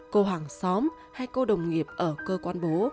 cô hàng xóm hay cô đồng nghiệp ở cơ quan bố